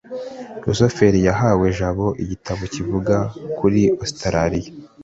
rusufero yahaye jabo igitabo kivuga kuri ositaraliya